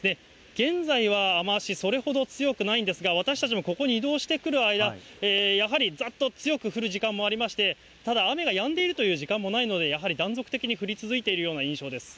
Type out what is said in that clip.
現在は雨足、それほど強くないんですが、私たちもここに移動してくる間、やはりざっと強く降る時間もありまして、ただ、雨がやんでいるという時間もないので、やはり断続的に降り続いているような印象です。